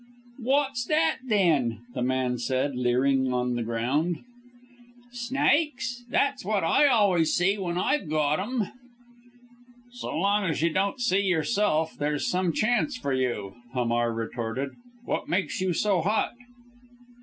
"What's that, then?" the man said leering on the ground. "Snakes! That's what I always see when I've got them." "So long as you don't see yourself, there's some chance for you!" Hamar retorted. "What makes you so hot?"